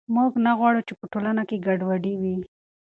موږ نه غواړو چې په ټولنه کې ګډوډي وي.